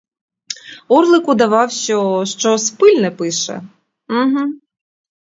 Орлик удавав, що щось пильне пише.